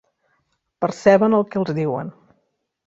Perceben el que els diuen.